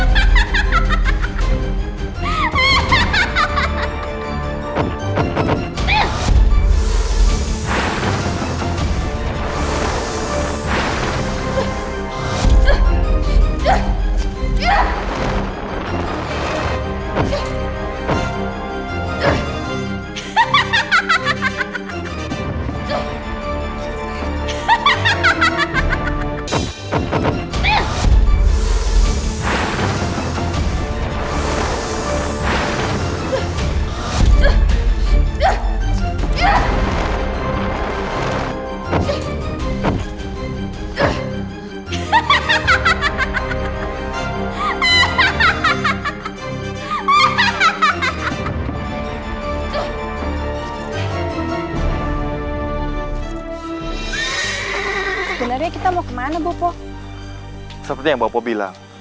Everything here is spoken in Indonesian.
tidak ada yang perlu kamu sampaikan